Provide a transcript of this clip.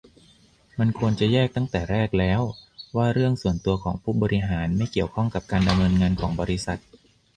มันควรจะแยกตั้งแต่แรกแล้ว ว่าเรื่องส่วนตัวของผู้บริหารไม่เกี่ยวข้องกับการดำเนินงานของบริษัท